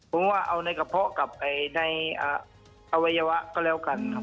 ผมว่าเอาในกระเพาะกับในอวัยวะก็แล้วกันครับ